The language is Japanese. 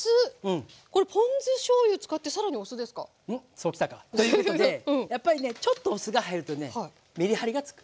そう来たか。ということでやっぱりねちょっとお酢が入るとねメリハリがつく。